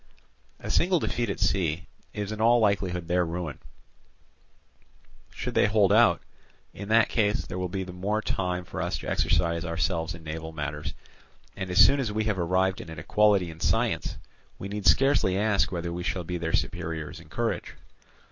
A single defeat at sea is in all likelihood their ruin: should they hold out, in that case there will be the more time for us to exercise ourselves in naval matters; and as soon as we have arrived at an equality in science, we need scarcely ask whether we shall be their superiors in courage.